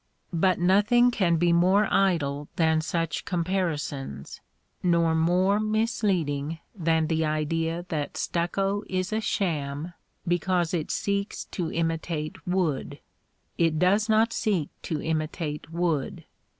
But nothing can be more idle than such comparisons, nor more misleading than the idea that stucco is a sham because it seeks to imitate wood. It does not seek to imitate wood.